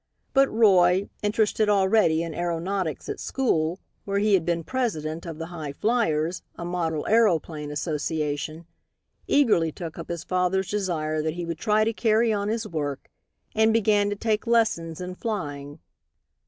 But Roy, interested already in aeronautics at school, where he had been president of "The High Fliers" a model aeroplane association, eagerly took up his father's desire that he would try to carry on his work, and began to take lessons in flying.